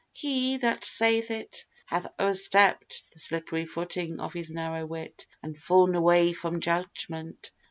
He, that saith it, hath o'erstepp'd The slippery footing of his narrow wit, And fall'n away from judgment.